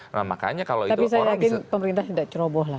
tapi saya yakin pemerintah tidak ceroboh lah